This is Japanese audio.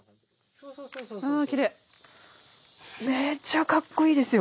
めっちゃかっこいいですよ。